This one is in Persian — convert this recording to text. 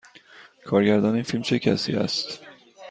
کارگردان این فیلم چه کسی است؟